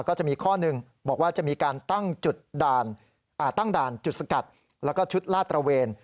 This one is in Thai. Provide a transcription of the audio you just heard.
ก็จะมีข้อหนึ่งบอกว่าจะมีการตั้งจุดตั้งด่านจุดสกัดแล้วก็ชุดลาดตระเวน